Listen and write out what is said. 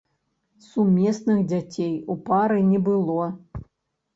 Сумесных дзяцей у пары не было.